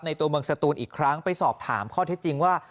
ตัวเมืองสตูนอีกครั้งไปสอบถามข้อเท็จจริงว่า